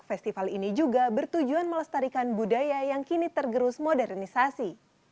festival ini juga bertujuan melestarikan budaya yang kini tergerus modernisasi